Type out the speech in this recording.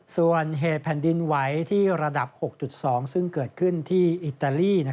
ส่วนเหตุแผ่นดินไหวที่ระดับ๖๒ซึ่งเกิดขึ้นที่อิตาลี